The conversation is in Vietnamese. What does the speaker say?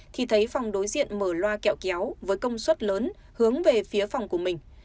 thì thấy phòng đối diện mở loa kẹo kéo với công suất lớn hướng về phía phòng của mình